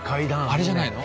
あれじゃないの？